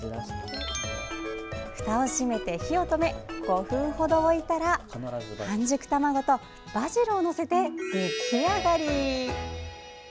ふたを閉めて、火を止め５分ほど置いたら半熟卵とバジルを載せて出来上がり！